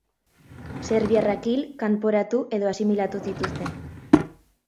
Serbiarrak hil, kanporatu edo asimilatu zituzten.